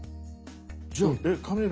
じゃあえっカメラ。